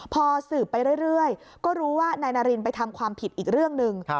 พอสืบไปเรื่อยก็รู้ว่านายนารินไปทำความผิดอีกเรื่องหนึ่ง